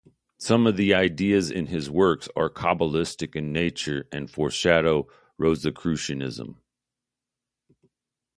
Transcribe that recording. Some of the ideas in his works are Kabbalistic in nature and foreshadow Rosicrucianism.